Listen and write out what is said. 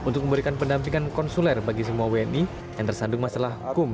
untuk memberikan pendampingan konsuler bagi semua wni yang tersandung masalah hukum